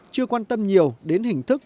chưa quan tâm nhiều đến hình thức